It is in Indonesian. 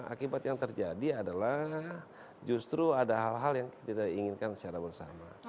akibat yang terjadi adalah justru ada hal hal yang tidak inginkan secara bersama